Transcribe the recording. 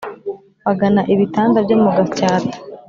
bagana ibitanda byo mu gasyata